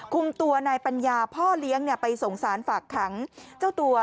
คุมตัวนายปัญญาพ่อเลี้ยงไปส่งสารฝากขังเจ้าตัว